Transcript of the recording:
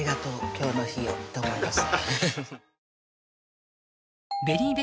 今日の日をと思います